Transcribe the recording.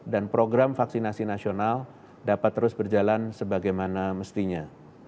dan program vaksinasi nasional dapat terus berjalan sebagaimana mestinya